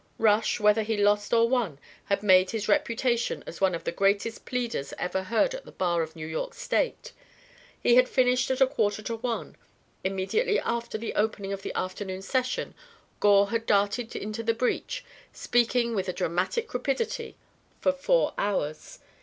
Rush, whether he lost or won, had made his reputation as one of the greatest pleaders ever heard at the bar of New York State. He had finished at a quarter to one. Immediately after the opening of the afternoon session Gore had darted into the breach, speaking with a dramatic rapidity for four hours.